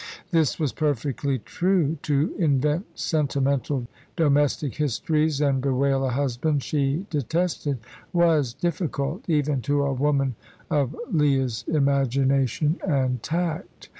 This was perfectly true. To invent sentimental domestic histories and bewail a husband she detested was difficult, even to a woman of Leah's imagination and tact.